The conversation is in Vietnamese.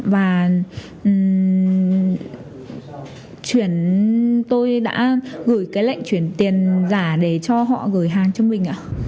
và tôi đã gửi lệnh chuyển tiền giả để cho họ gửi hàng cho mình